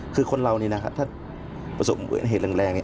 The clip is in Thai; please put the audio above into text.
คือคนเรานี่นะครับถ้าประสบเหตุแรง